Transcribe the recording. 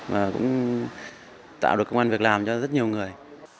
và cũng tạo được công an việc làm cho rất nhiều người